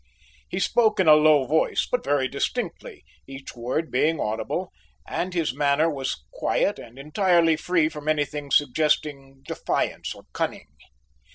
He spoke in a low voice, but very distinctly, each word being audible, and his manner was quiet and entirely free from anything suggesting defiance or cunning.